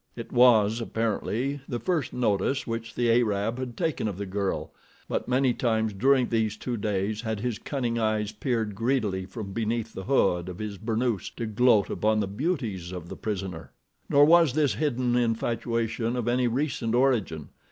It was, apparently, the first notice which the Arab had taken of the girl; but many times during these two days had his cunning eyes peered greedily from beneath the hood of his burnoose to gloat upon the beauties of the prisoner. Nor was this hidden infatuation of any recent origin.